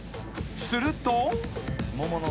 ［すると］